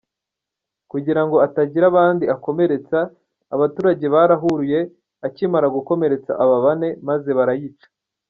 Kugira ngo itagira abandi ikomeretsa, abaturage barahuruye ikimara gukomeretsa aba bane, maze barayica.